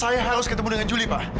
saya harus ketemu dengan juli pak